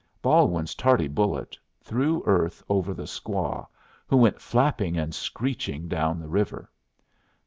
Balwin's tardy bullet threw earth over the squaw, who went flapping and screeching down the river.